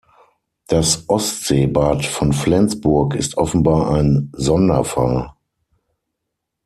Das Ostseebad von Flensburg ist offenbar ein Sonderfall.